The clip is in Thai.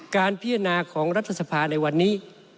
การพิจารณาของรัฐสภาในวันนี้